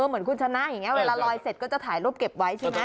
เหมือนคุณชนะอย่างนี้เวลาลอยเสร็จก็จะถ่ายรูปเก็บไว้ใช่ไหม